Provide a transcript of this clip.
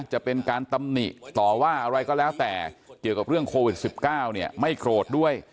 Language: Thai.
จะเป็นการตำหนิต่อว่าอะไรก็แล้วแต่เกี่ยวกับเรื่องโควิด๑๙เนี่ยไม่โกรธด้วย